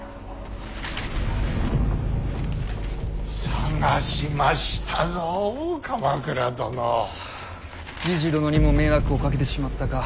捜しましたぞ鎌倉殿。はあじじ殿にも迷惑をかけてしまったか。